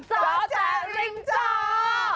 เจ้าแจ๊กริมเจ้า